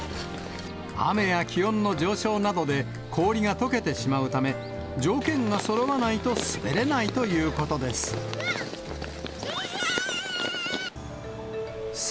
雨や気温の上昇などで、氷がとけてしまうため、条件がそろわないと滑れないということです。